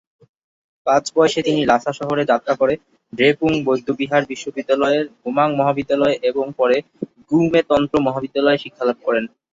পাঁচ বয়সে তিনি লাসা শহরে যাত্রা করে দ্রেপুং বৌদ্ধবিহার বিশ্ববিদ্যালয়ের গোমাং মহাবিদ্যালয়ে এবং পরে গ্যুমে তন্ত্র মহাবিদ্যালয়ে শিক্ষালাভ করেন।